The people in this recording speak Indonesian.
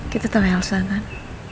kita tau elsa kan